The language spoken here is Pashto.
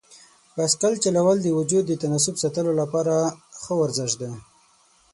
بایسکل چلول د وجود د تناسب ساتلو لپاره ښه ورزش دی.